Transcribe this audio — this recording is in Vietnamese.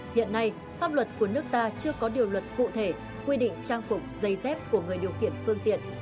hiện nay pháp luật của nước ta chưa có điều luật cụ thể quy định trang phục giày dép của người điều khiển phương tiện